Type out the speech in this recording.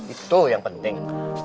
itu yang penting